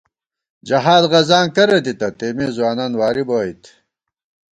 جہاد غزاں کرہ دِتہ، تېمےځوانان واری بوئیت